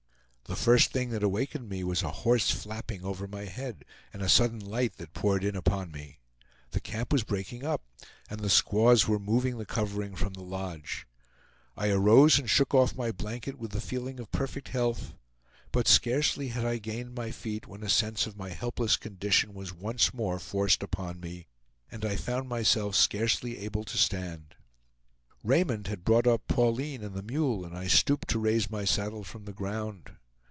The first thing that awakened me was a hoarse flapping over my head, and a sudden light that poured in upon me. The camp was breaking up, and the squaws were moving the covering from the lodge. I arose and shook off my blanket with the feeling of perfect health; but scarcely had I gained my feet when a sense of my helpless condition was once more forced upon me, and I found myself scarcely able to stand. Raymond had brought up Pauline and the mule, and I stooped to raise my saddle from the ground.